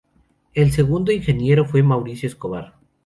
El segundo ingeniero fue Mauricio Escobar.